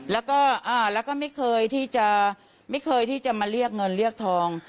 แล้วก็ไม่เคยที่จะมาเรียกเงินเรียกทอง